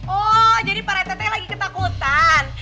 oh jadi para tete lagi ketakutan